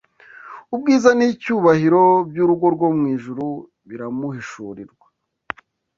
Ubwiza n’icyubahiro by’urugo rwo mu ijuru biramuhishurirwa